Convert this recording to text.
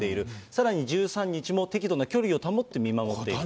さらに１３日も適度な距離を保って見守っている。